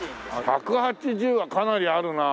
１８０はかなりあるな。